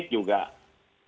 nah kemudian mengenai pandemi